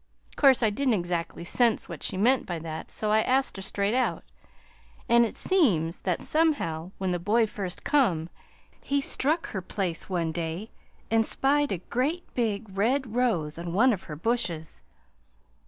"'Course, I didn't exactly sense what she meant by that, so I asked her straight out; an' it seems that somehow, when the boy first come, he struck her place one day an' spied a great big red rose on one of her bushes.